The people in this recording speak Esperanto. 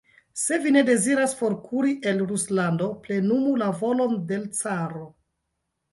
Se vi ne deziras forkuri el Ruslando, plenumu la volon de l' caro.